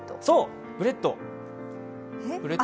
そう、ブレッド。